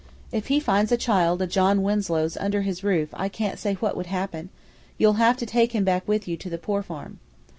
If he finds a child o' John Winslow's under his roof I can't say what would happen; you'll have to take him back with you to the poor farm."